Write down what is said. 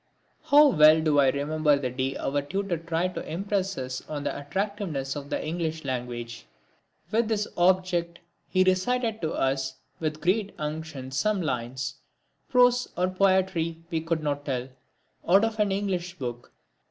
How well do I remember the day our tutor tried to impress on us the attractiveness of the English language. With this object he recited to us with great unction some lines prose or poetry we could not tell out of an English book.